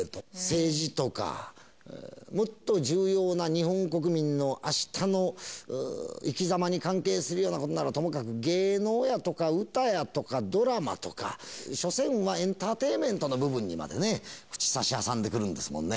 政治とか、もっと重要な日本国民のあしたの生きざまに関係するようなことならともかく、芸能やとか歌やとかドラマとか、しょせんはエンターテインメントの部分にまでね、口差し挟んでくるんですもんね。